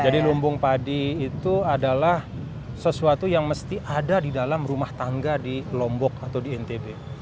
jadi lumbung padi itu adalah sesuatu yang mesti ada di dalam rumah tangga di lombok atau di ntb